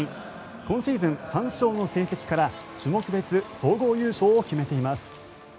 今シーズン３勝の成績から種目別総合優勝を決めています。